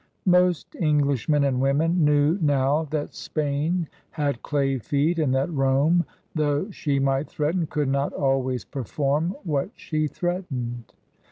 Most Englishmen and women knew now that Spain had clay feet; and that Rome, though she might threaten, could not always perform what she threatened.